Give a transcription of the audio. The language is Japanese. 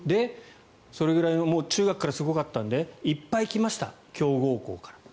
それぐらいのもう中学からすごかったのでいっぱい来ました、強豪校から。